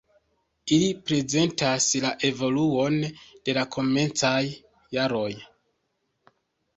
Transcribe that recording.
Ili prezentas la evoluon de la komencaj jaroj.